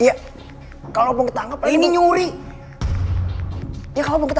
iya kalo lo ketahapannya di penjara kenapa lo takut